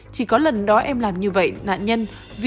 chỉ có lần đó em làm như vậy nạn nhân